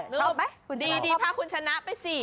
ชอบไหมคุณชนะพอไปสิ